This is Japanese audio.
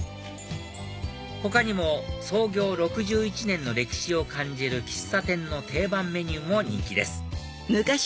他にも創業６１年の歴史を感じる喫茶店の定番メニューも人気です